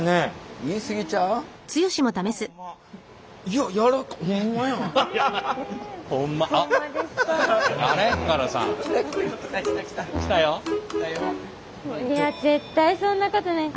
いや絶対そんなことない。